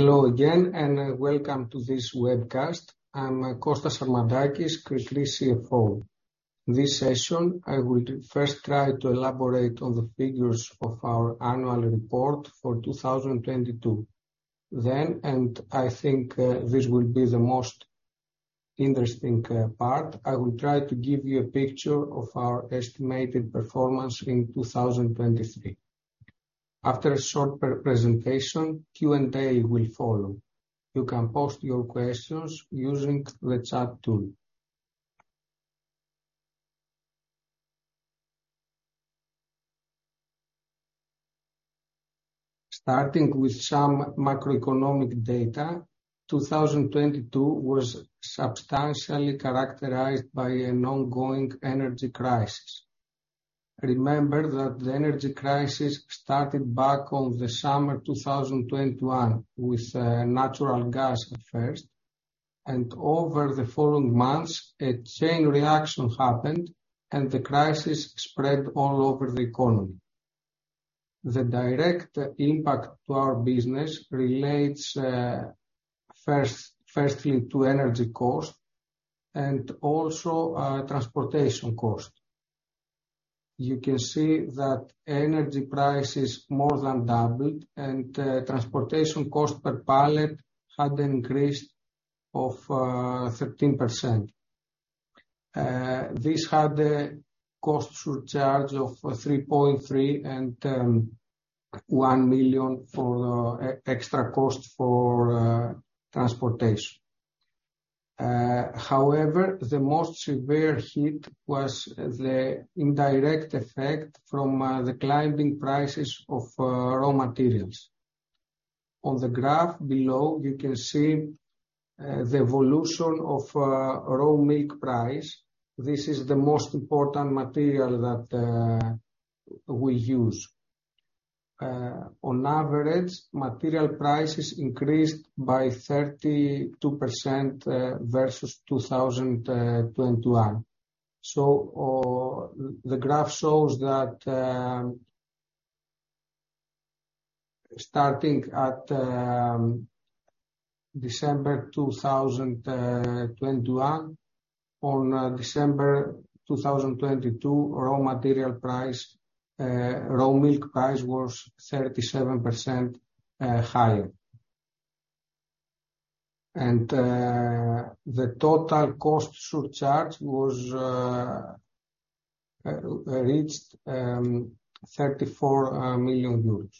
Hello again, welcome to this webcast. I'm Kostas Sarmadakis, Kri-Kri CFO. This session, I will first try to elaborate on the figures of our annual report for 2022. I think this will be the most interesting part, I will try to give you a picture of our estimated performance in 2023. After a short pre-presentation, Q&A will follow. You can post your questions using the chat tool. Starting with some macroeconomic data, 2022 was substantially characterized by an ongoing energy crisis. Remember that the energy crisis started back on the summer 2021, with natural gas at first, and over the following months, a chain reaction happened and the crisis spread all over the economy. The direct impact to our business relates firstly to energy cost and also transportation cost. You can see that energy prices more than doubled and transportation cost per pallet had increased of 13%. This had a cost surcharge of 3.3 and 1 million for e-extra cost for transportation. However, the most severe hit was the indirect effect from the climbing prices of raw materials. On the graph below, you can see the evolution of raw milk price. This is the most important material that we use. On average, material prices increased by 32% versus 2021. The graph shows that, starting at December 2021, on December 2022, raw material price, raw milk price was 37% higher. The total cost surcharge was reached EUR 34 million.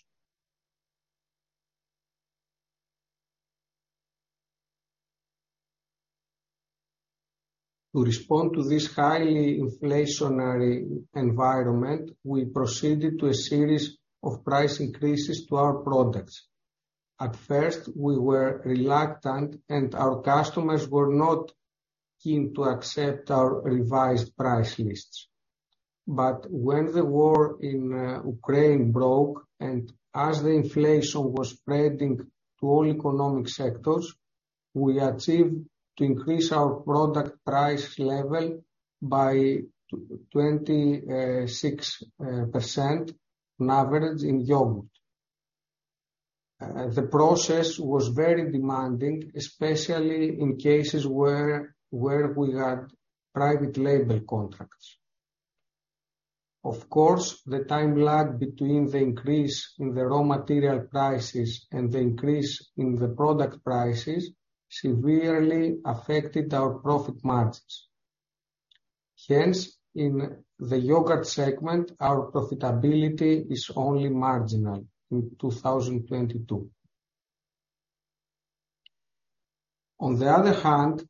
To respond to this highly inflationary environment, we proceeded to a series of price increases to our products. At first, we were reluctant, our customers were not keen to accept our revised price lists. When the war in Ukraine broke, and as the inflation was spreading to all economic sectors, we achieved to increase our product price level by 26% on average in yogurt. The process was very demanding, especially in cases where we had private label contracts. Of course, the time lag between the increase in the raw material prices and the increase in the product prices severely affected our profit margins. Hence, in the yogurt segment, our profitability is only marginal in 2022. On the other hand,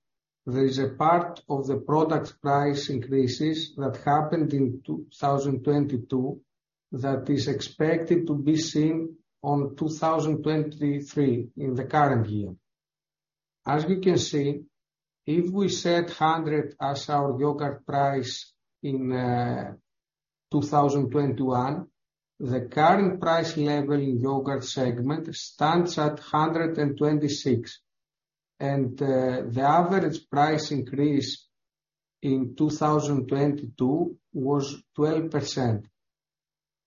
there is a part of the product price increases that happened in 2022 that is expected to be seen on 2023 in the current year. As we can see, if we set 100 as our yogurt price in 2021, the current price level in yogurt segment stands at 126, and the average price increase in 2022 was 12%.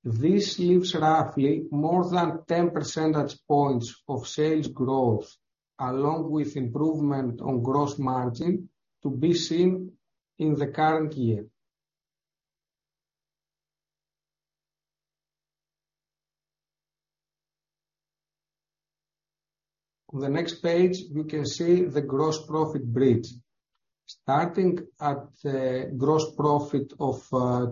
This leaves roughly more than 10 percentage points of sales growth along with improvement on gross margin to be seen in the current year. On the next page, you can see the gross profit bridge. Starting at the gross profit of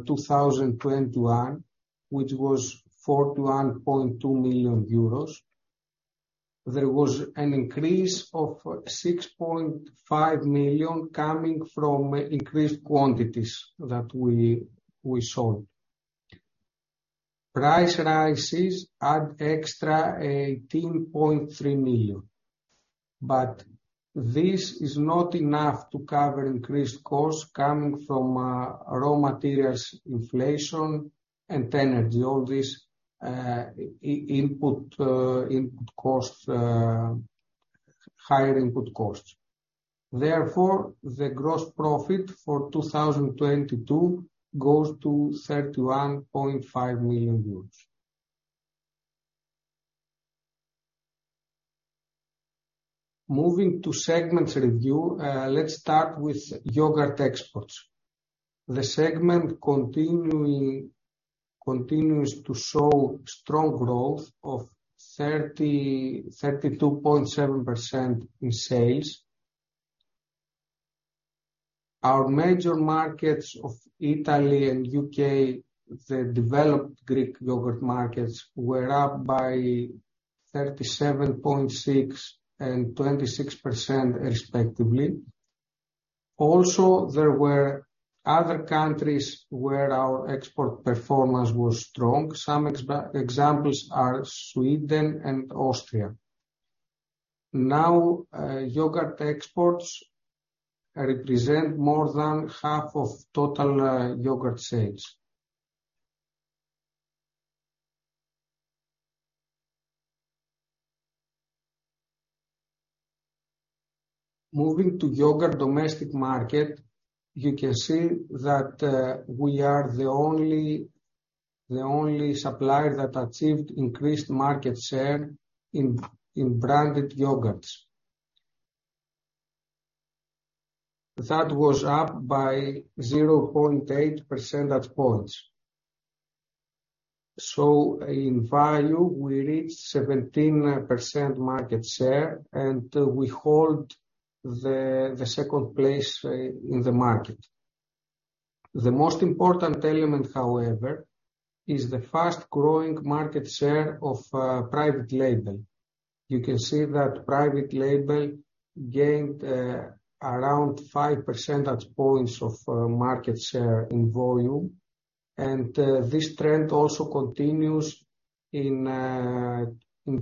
2021, which was 41.2 million euros, there was an increase of 6.5 million coming from increased quantities that we sold. Price rises add extra 18.3 million. This is not enough to cover increased costs coming from raw materials inflation and energy. All these input costs, Higher input costs. The gross profit for 2022 goes to EUR 31.5 million. Moving to segments review, let's start with yogurt exports. The segment continues to show strong growth of 32.7% in sales. Our major markets of Italy and U.K., the developed Greek yogurt markets, were up by 37.6% and 26% respectively. There were other countries where our export performance was strong. Some examples are Sweden and Austria. Yogurt exports represent more than half of total yogurt sales. Moving to yogurt domestic market, you can see that we are the only supplier that achieved increased market share in branded yogurts. That was up by 0.8% at points. In value, we reached 17% market share, and we hold the second place in the market. The most important element, however, is the fast-growing market share of private label. You can see that private label gained around five percentage points of market share in volume. This trend also continues in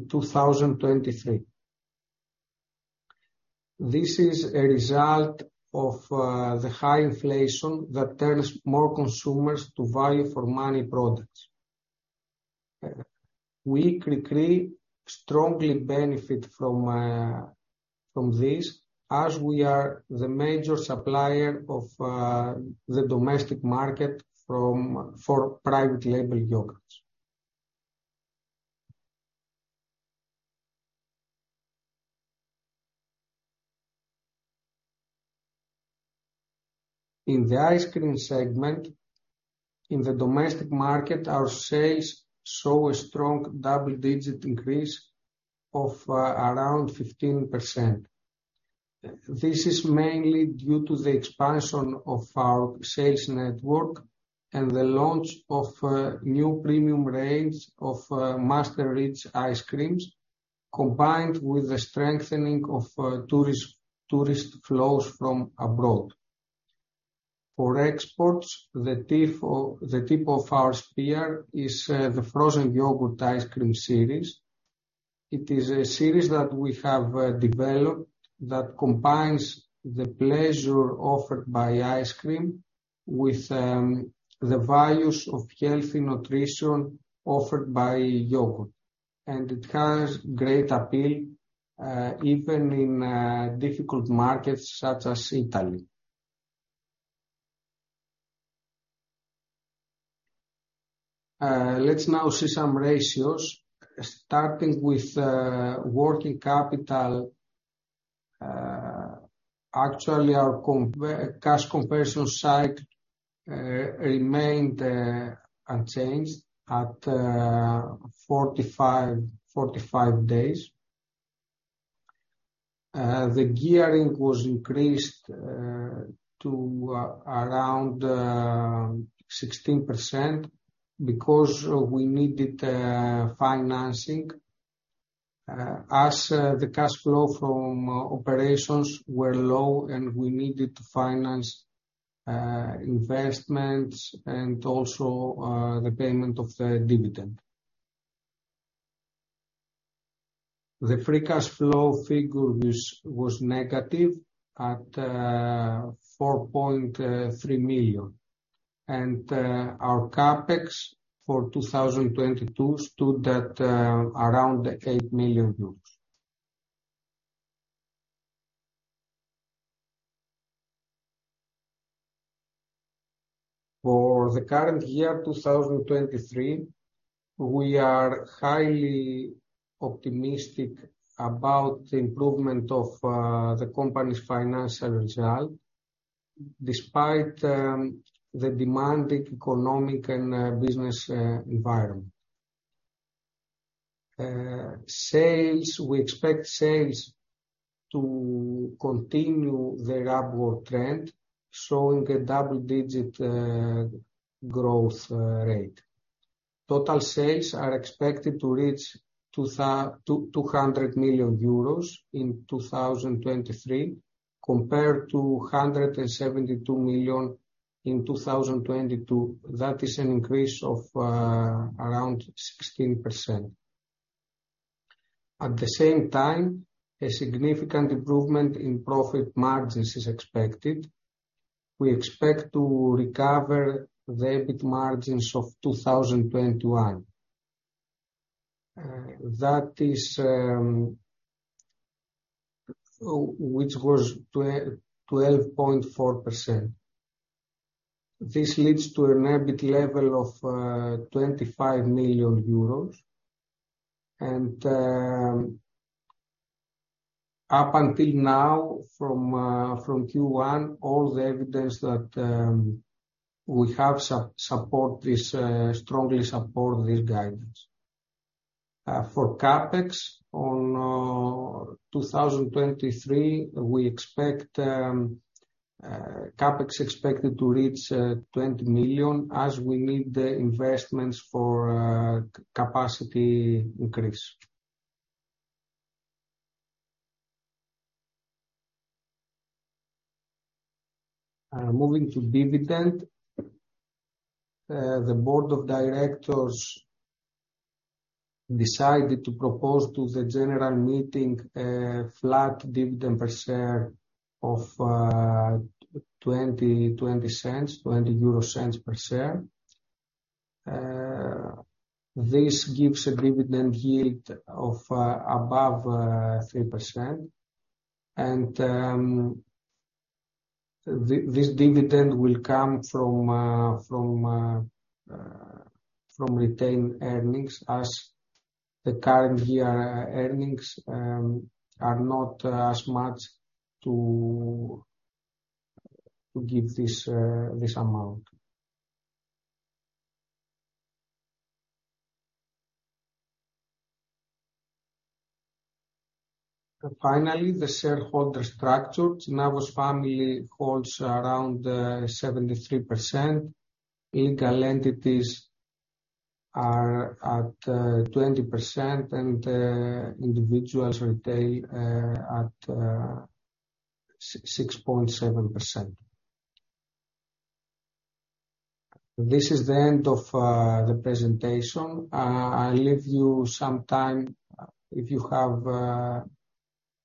2023. This is a result of the high inflation that turns more consumers to value for many products. We, Kri-Kri, strongly benefit from this as we are the major supplier of the domestic market for private label yogurts. In the ice cream segment, in the domestic market, our sales saw a strong double-digit increase of around 15%. This is mainly due to the expansion of our sales network and the launch of new premium range of Master Rich ice creams, combined with the strengthening of tourist flows from abroad. For exports, the tip of our spear is the frozen yogurt ice cream series. It is a series that we have developed that combines the pleasure offered by ice cream with the values of healthy nutrition offered by yogurt. It has great appeal even in difficult markets such as Italy. Let's now see some ratios starting with working capital. Actually, our cash conversion cycle remained unchanged at 45 days. The gearing was increased to around 16% because we needed financing as the cash flow from operations were low and we needed to finance investments and also the payment of the dividend. The free cash flow figure was negative at 4.3 million. Our CapEx for 2022 stood at around EUR 8 million. For the current year, 2023, we are highly optimistic about the improvement of the company's financial result despite the demanding economic and business environment. Sales, we expect sales to continue the upward trend, showing a double-digit growth rate. Total sales are expected to reach 200 million euros in 2023 compared to 172 million in 2022. That is an increase of around 16%. At the same time, a significant improvement in profit margins is expected. We expect to recover the EBIT margins of 2021, that is, which was 12.4%. This leads to an EBIT level of 25 million euros. Up until now, from Q1, all the evidence that we have support this, strongly support this guidance. For CapEx on 2023, we expect CapEx expected to reach 20 million as we need the investments for capacity increase. Moving to dividend. The board of directors decided to propose to the general meeting a flat dividend per share of 0.20 per share. This gives a dividend yield of above 3%. This dividend will come from from retained earnings as the current year earnings are not as much to give this amount. Finally, the shareholder structure. Tsinavos family holds around 73%. Legal entities are at 20%, and individuals retail at 6.7%. This is the end of the presentation. I'll leave you some time, if you have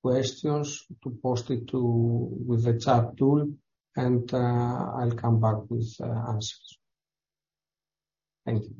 questions to post it to with the chat tool, and I'll come back with answers. Thank you.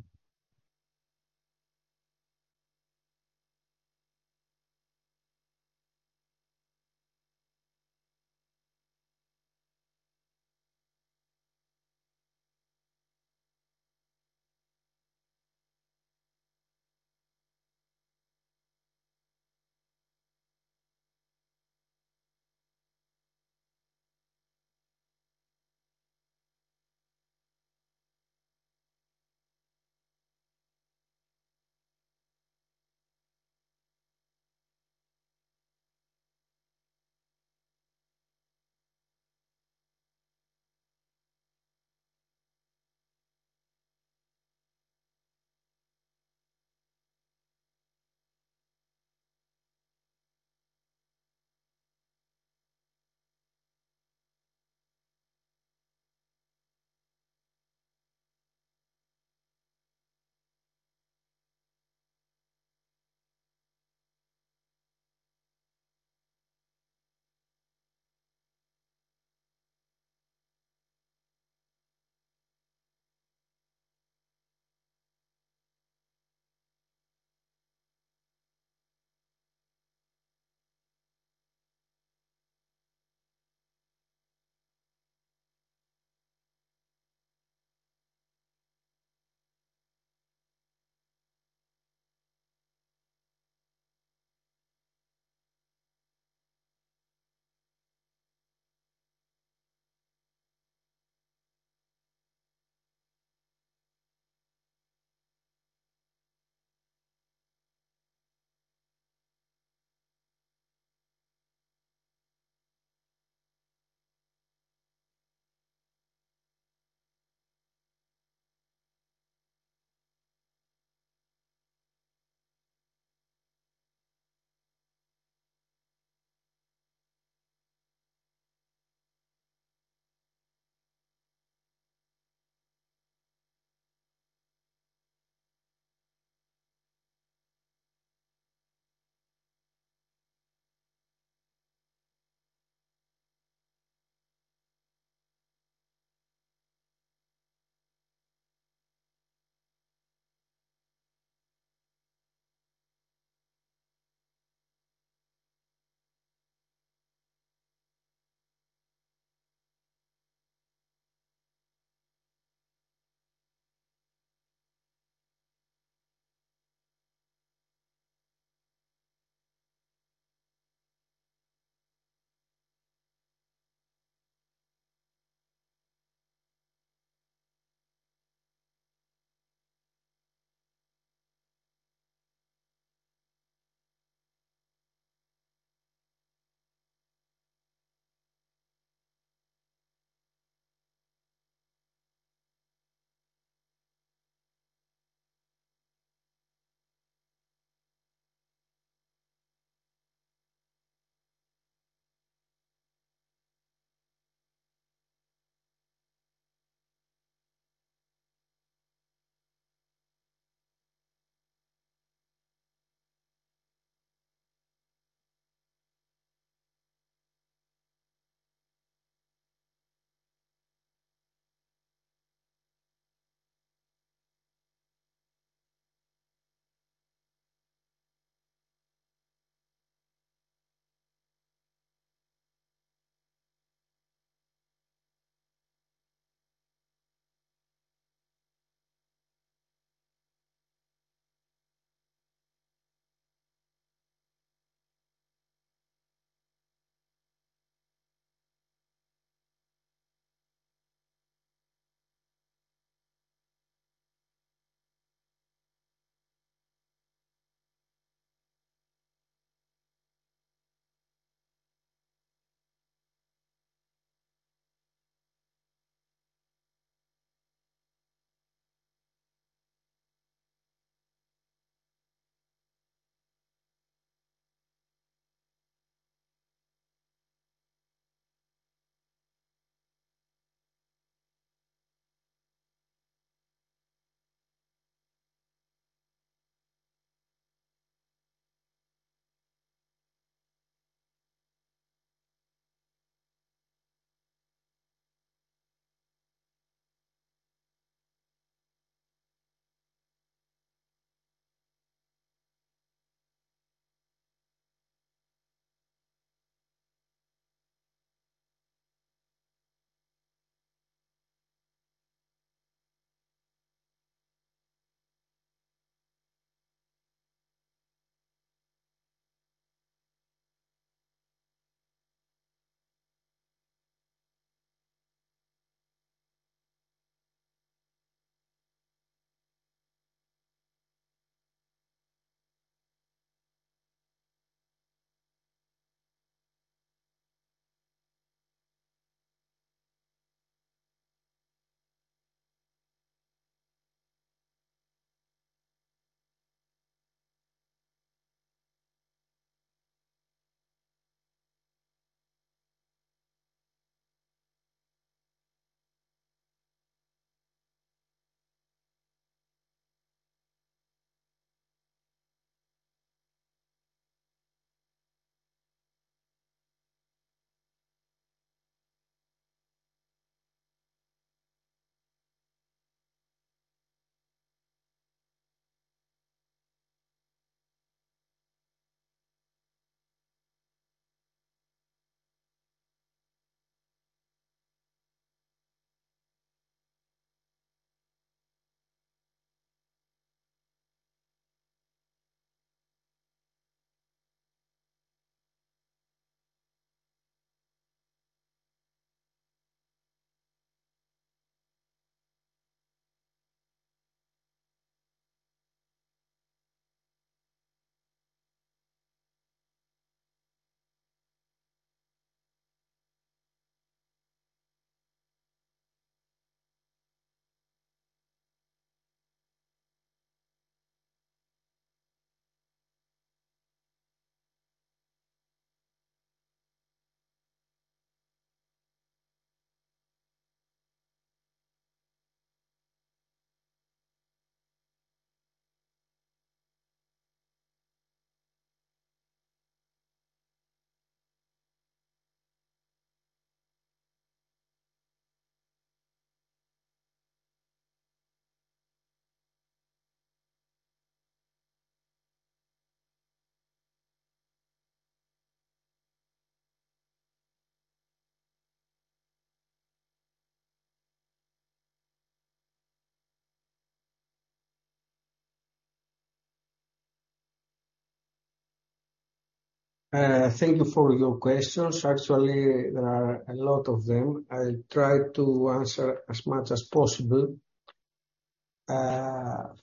Thank you for your questions. Actually, there are a lot of them. I'll try to answer as much as possible.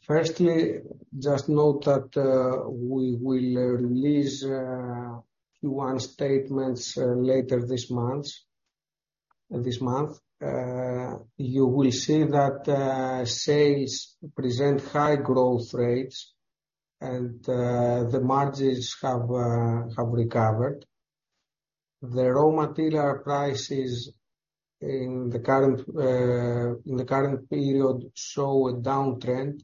Firstly, just note that we will release Q1 statements later this month. You will see that sales present high growth rates and the margins have recovered. The raw material prices in the current period show a downtrend,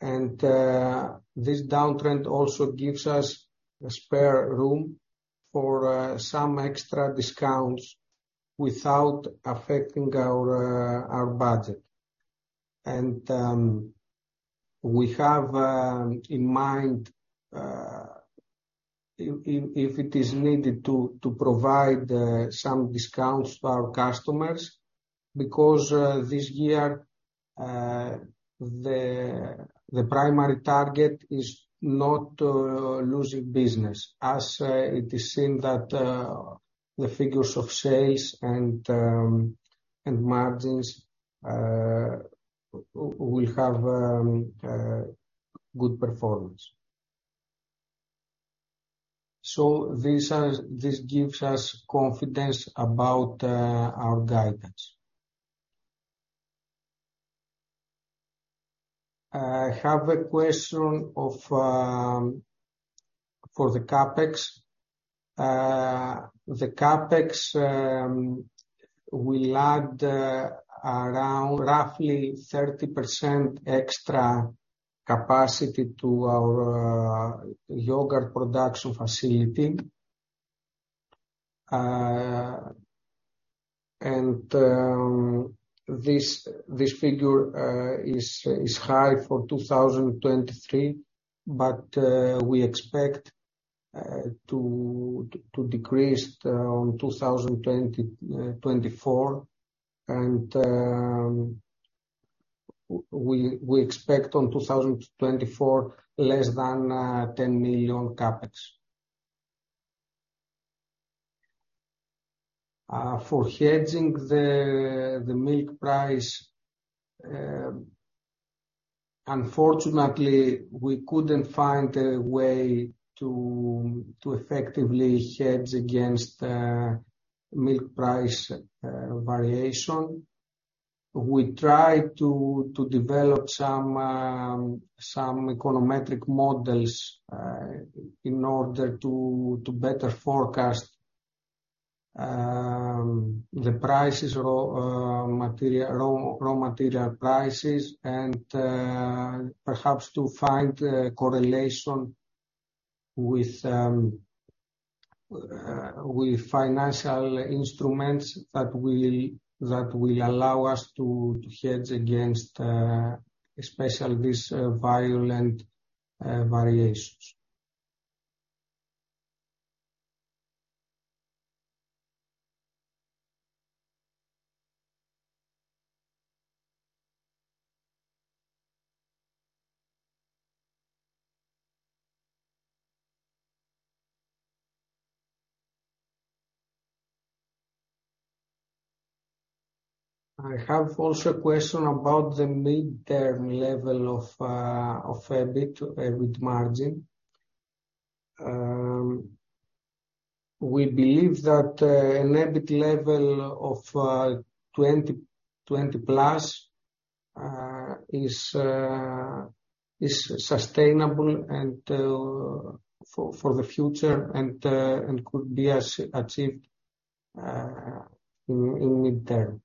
and this downtrend also gives us a spare room for some extra discounts without affecting our budget. We have in mind if it is needed to provide some discounts to our customers, because this year the primary target is not losing business as it is seen that the figures of sales and margins will have good performance. This gives us confidence about our guidance. I have a question of for the CapEx. The CapEx will add around roughly 30% extra capacity to our yogurt production facility. This figure is high for 2023, but we expect to decrease around 2024. We expect on 2024, less than EUR 10 million CapEx. For hedging the milk price, unfortunately, we couldn't find a way to effectively hedge against milk price variation. We try to develop some econometric models in order to better forecast the prices or raw material prices and perhaps to find a correlation with financial instruments that will allow us to hedge against especially this violent variations. I have also a question about the midterm level of EBIT margin. We believe that an EBIT level of 20+ is sustainable for the future and could be achieved in midterm.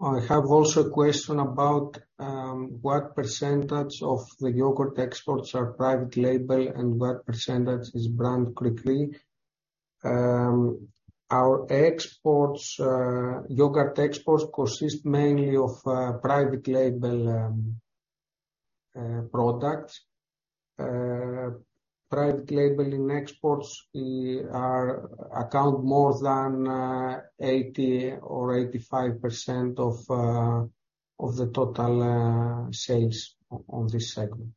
I have also a question about what percentage of the yogurt exports are private label and what percentage is brand Kri-Kri. Our exports, yogurt exports consist mainly of private label products. Private label in exports account more than 80% or 85% of the total sales on this segment.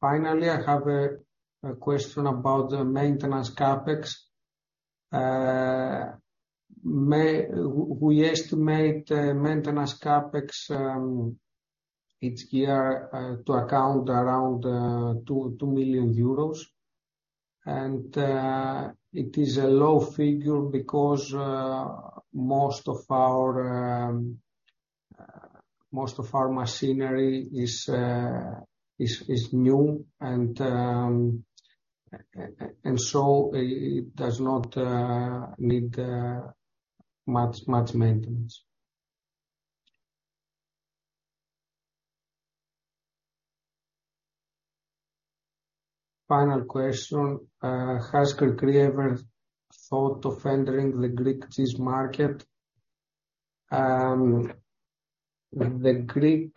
Finally, I have a question about the maintenance CapEx. We estimate the maintenance CapEx each year to account around 2 million euros. It is a low figure because most of our machinery is new and so it does not need much maintenance. Final question. Has Kri-Kri ever thought of entering the Greek cheese market? The Greek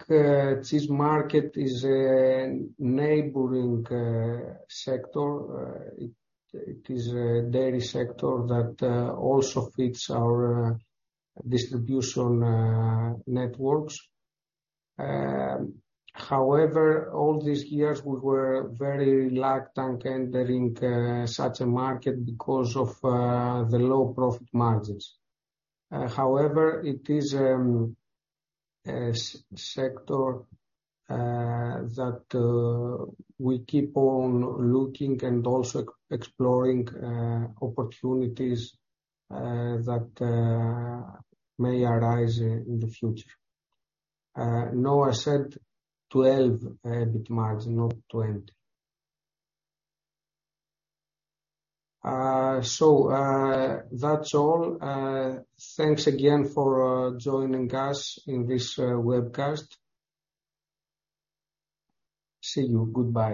cheese market is a neighboring sector. It is a dairy sector that also fits our distribution networks. However, all these years we were very reluctant entering such a market because of the low profit margins. However, it is a sector that we keep on looking and also exploring opportunities that may arise in the future. No, I said 12 EBIT margin, not 20. That's all. Thanks again for joining us in this webcast. See you. Goodbye.